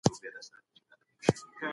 کوم ډول مطالعه انسان هوښياروي؟